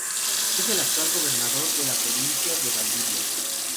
Es el actual Gobernador de la Provincia de Valdivia.